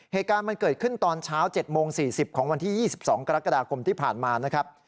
เหตุการณ์มันเกิดขึ้นตอนเช้า๗โมง๔๐ของวันที่๒๒กรกฎาคมที่ผ่านมานะครับ